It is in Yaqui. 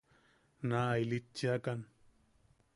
Naa ilitchiakan.